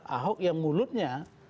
ahok yang mulutnya